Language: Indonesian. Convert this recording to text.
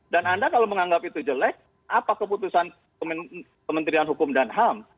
dan anda kalau menganggap itu jelek apa keputusan kementerian hukum dan ham